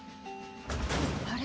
あれ？